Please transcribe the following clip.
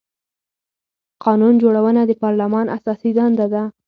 قانون جوړونه د پارلمان اساسي دنده ده